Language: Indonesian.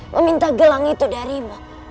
meminta gelang itu darimu